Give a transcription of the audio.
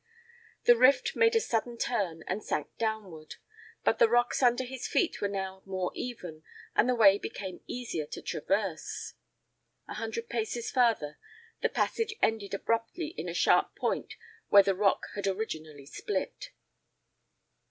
The rift made a sudden turn and sank downward; but the rocks under his feet were now more even and the way became easier to traverse. A hundred paces farther, the passage ended abruptly in a sharp point where the rock had originally split.